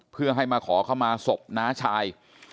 เพื่อให้มาขอเข้ามาศพน้าชาย